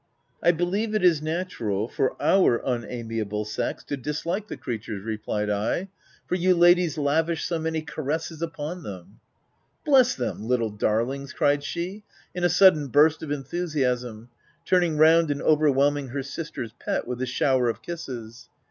" I believe it is natural for our unamiable sex, to dislike the creatures," replied I ; u for ycm ladies lavish so many caresses upon them." OF W1LDFELL HALL. 41 u Bless them — little darlings !'* cried she, in a sudden burst of enthusiasm, turning round and overwhelming her sister's pet with a shower of kisses.